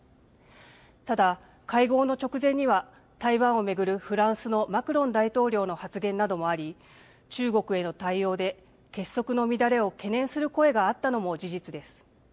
ただ、会合の直前には、台湾を巡るフランスのマクロン大統領の発言などもあり、中国への対応で結束の乱れを懸念する声があったのも事実です。